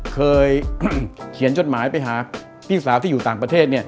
เคยเขียนจดหมายไปหาพี่สาวที่อยู่ต่างประเทศ